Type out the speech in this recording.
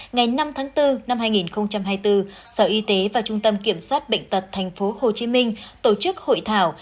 ngày năm tháng bốn năm hai nghìn hai mươi bốn sở y tế và trung tâm kiểm soát bệnh tật thành phố hồ chí minh tổ chức hội thảo